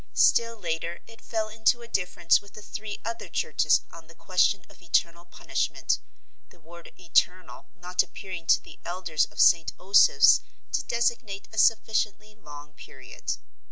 Still later it fell into a difference with the three other churches on the question of eternal punishment, the word "eternal" not appearing to the elders of St. Osoph's to designate a sufficiently long period.